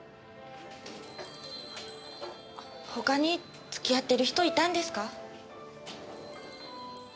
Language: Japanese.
他に付き合ってる人いたんですか？